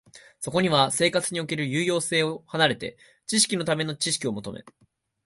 そこには生活における有用性を離れて、知識のために知識を求め、